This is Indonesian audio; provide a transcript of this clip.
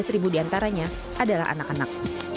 empat belas ribu di antaranya adalah anak anak